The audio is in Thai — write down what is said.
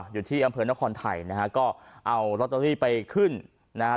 อยู่ที่อำเภอนครไทยนะฮะก็เอาลอตเตอรี่ไปขึ้นนะฮะ